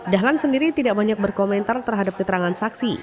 dahlan sendiri tidak banyak berkomentar terhadap keterangan saksi